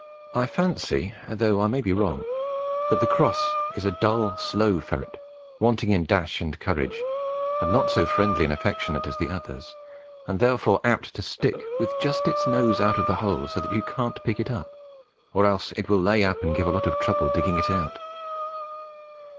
I fancy (though I may be wrong) that the cross is a dull slow ferret, wanting in dash and courage, and not so friendly and affectionate as the others, and therefore apt to stick with just its nose out of a hole so that you can't pick it up, or else it will "lay up" and give a lot of trouble digging it out.